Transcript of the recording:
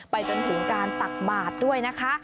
จนถึงการตักบาทด้วยนะคะ